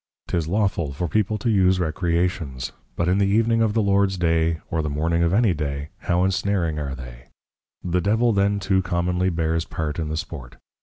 'Tis Lawful for People to use Recreations; but in the Evening of the Lords Day, or the Morning of any Day, how Ensnaring are they! The Devil then too commonly bears part in the Sport.